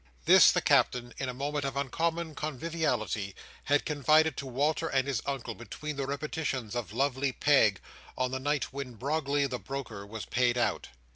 This the Captain, in a moment of uncommon conviviality, had confided to Walter and his Uncle, between the repetitions of lovely Peg, on the night when Brogley the broker was paid out.